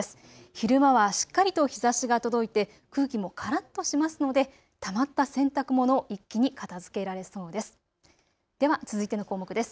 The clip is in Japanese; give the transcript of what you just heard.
昼間はしっかりと日ざしが届いて空気もからっとしますのでたまった洗濯物を一気に片づけられそうです。